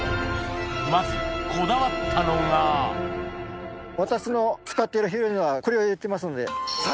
まずこだわったのが私の使ってる肥料にはこれを入れてますので。